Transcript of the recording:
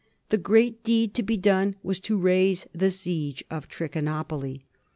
The great deed to be done was to raise the siege of Trichinopoly.